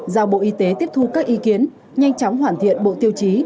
giao bộ y tế tiếp thu các ý kiến nhanh chóng hoàn thiện bộ tiêu chí